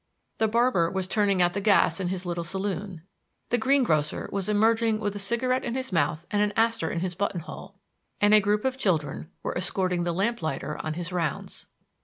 The barber was turning out the gas in his little saloon; the greengrocer was emerging with a cigarette in his mouth and an aster in his buttonhole, and a group of children were escorting the lamplighter on his rounds.